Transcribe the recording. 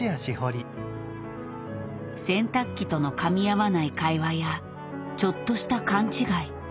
洗濯機とのかみ合わない会話やちょっとした勘違い。